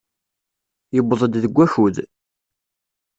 Yewweḍ-d deg wakud.